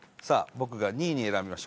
僕が２位に選びました